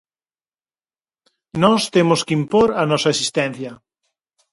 Nós temos que impor a nosa existencia.